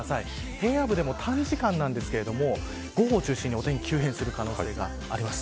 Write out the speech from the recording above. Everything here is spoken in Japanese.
平野部でも短時間ですが午後を中心にお天気が急変する可能性があります。